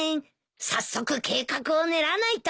早速計画を練らないと。